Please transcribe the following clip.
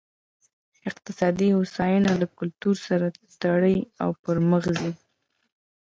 اقتصادي هوساینه له کلتور سره تړي او پرمخ ځي.